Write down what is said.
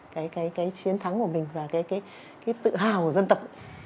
cái chiến thắng của mình và cái tự hào của dân tộc